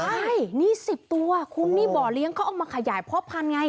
ใช่นี่๑๐ตัวคุณนี่บ่อเลี้ยงเขาเอามาขยายพ่อพันธุ์ไง